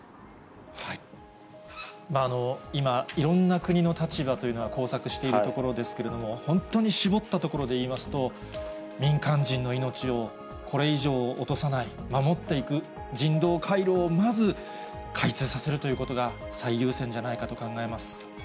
今、いろんな国の立場というのが交錯しているところですけれども、本当に絞ったところでいいますと、民間人の命をこれ以上落とさない、守っていく、人道回廊をまず開通させるということが、最優先じゃないかと考えます。